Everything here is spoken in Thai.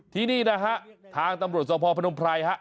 ที่นี่นะฮะทางตำรวจสวพพนภัย